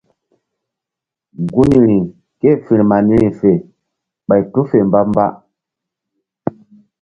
Gunri ké-e firma niri fe ɓay tu fe mbamba.